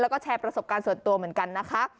แล้วก็แชร์ประสบการณ์ส่วนตัวเหมือนกันนะคะ